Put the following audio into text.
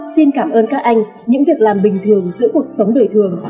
xin cảm ơn các anh những việc làm bình thường giữa cuộc sống đời thường